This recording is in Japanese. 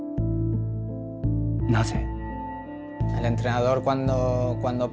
なぜ？